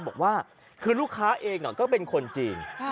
บอกว่าคือลูกค้าเองก็เป็นคนจีน